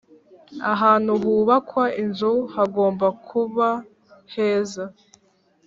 Ahantu hubakwa inzu hagomba kub heza